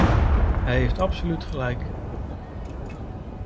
Hij heeft absoluut gelijk.